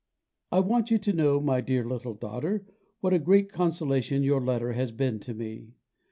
I want you to know, my dear little daughter, what a great consolation your letter has been to me.